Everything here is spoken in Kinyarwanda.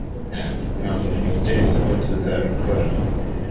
Ntabwo ntekereza ko tuzabikora